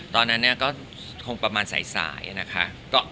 ตอนนั้นเนี่ยก็คงประมาณใสนะคะ